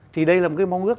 thì đây là một cái mong ước